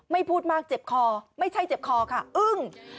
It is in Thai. พูดมากเจ็บคอไม่ใช่เจ็บคอค่ะอึ้ง